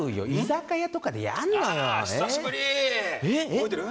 覚えてる？